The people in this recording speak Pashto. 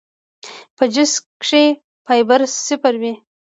پۀ جوس کښې فائبر صفر وي